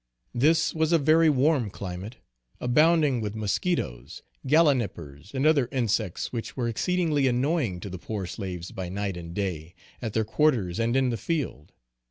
This was a very warm climate, abounding with musquitoes, galinippers and other insects which were exceedingly annoying to the poor slaves by night and day, at their quarters and in the field.